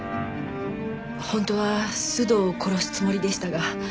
本当は須藤を殺すつもりでしたが。